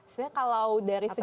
sebenarnya kalau dari segi